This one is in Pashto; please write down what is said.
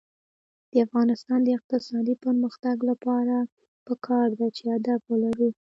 د افغانستان د اقتصادي پرمختګ لپاره پکار ده چې ادب ولرو.